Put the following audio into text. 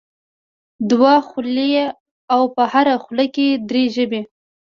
دوه خولې او په هره خوله کې درې ژبې.